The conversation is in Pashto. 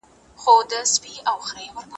نتیجې به بدې نه وي.